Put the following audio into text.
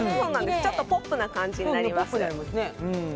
ちょっとポップな感じになります。